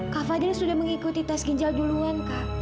kak fadil sudah mengikuti tes ginjal duluan kak